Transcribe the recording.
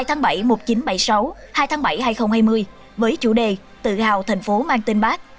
hai tháng bảy một nghìn chín trăm bảy mươi sáu hai tháng bảy hai nghìn hai mươi với chủ đề tự hào thành phố mang tên bác